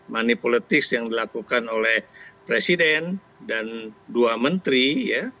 money politics yang dilakukan oleh presiden dan dua menteri ya